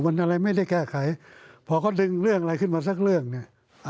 มันอะไรไม่ได้แก้ไขพอเขาดึงเรื่องอะไรขึ้นมาสักเรื่องเนี่ย